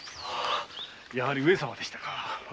やはり上様でしたか。